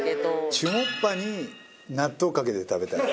チュモッパに納豆かけて食べたい。